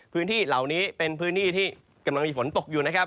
พื้นที่เหล่านี้เป็นพื้นที่ที่กำลังมีฝนตกอยู่นะครับ